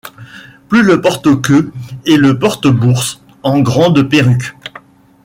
Plus le porte-queue et le porte-bourse, en grande perruque.